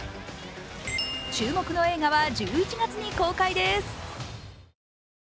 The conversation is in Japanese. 注目の映画は１１月に公開です。